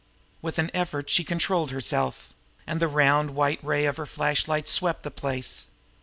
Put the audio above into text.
With an effort she controlled herself and the round, white ray of her flashlight swept the place.